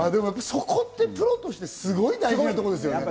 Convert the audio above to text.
そこってプロとしてすごい大事なところですよね。